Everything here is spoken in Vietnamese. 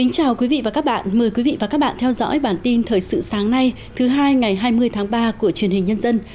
chào mừng quý vị đến với bản tin thời sự sáng nay thứ hai ngày hai mươi tháng ba của truyền hình nhân dân